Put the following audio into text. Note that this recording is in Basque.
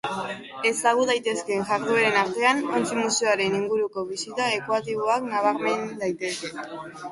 Ezagut daitezkeen jardueren artean, ontzi-museoren inguruko bisita ekoaktiboa nabarmen daiteke.